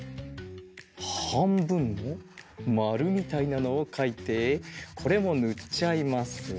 はんぶんのまるみたいなのをかいてこれもぬっちゃいます。